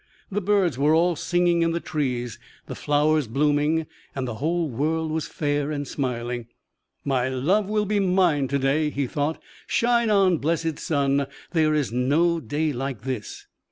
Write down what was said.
The birds were all singing in the trees, the flowers blooming, the whole world fair and smiling. "My love will be mine to day!" he thought. "Shine on, blessed sun! there is no day like this!"